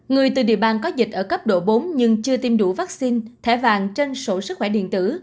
người từ địa bàn có dịch ở cấp độ bốn nhưng chưa tiêm đủ vaccine thẻ vàng trên sổ sức khỏe điện tử